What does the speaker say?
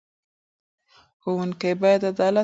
ښوونکي باید عدالت وساتي.